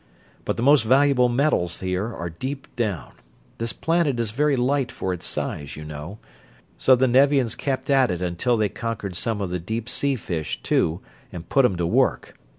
But the most valuable metals here are deep down this planet is very light for its size, you know so the Nevians kept at it until they conquered some of the deep sea fish, too, and put 'em to work.